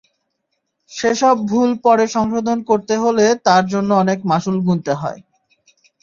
সেসব ভুল পরে সংশোধন করতে হলে তার জন্য অনেক মাশুল গুনতে হয়।